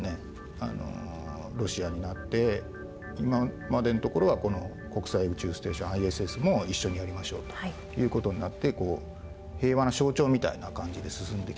ロシアになって今までのところはこの国際宇宙ステーションＩＳＳも一緒にやりましょうという事になって平和の象徴みたいな感じで進んできたんですね。